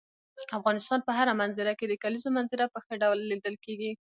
د افغانستان په هره منظره کې د کلیزو منظره په ښکاره ډول لیدل کېږي.